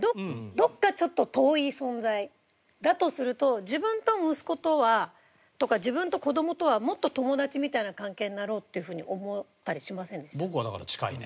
どこかちょっと遠い存在だとすると自分と息子とはとか自分と子どもとはもっと友達みたいな関係になろうっていう風に思ったりしませんでした？